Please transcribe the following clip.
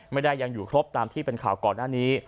ไม่ได้ยังอยู่ครบตามที่เป็นข่าวก่อนหน้านี้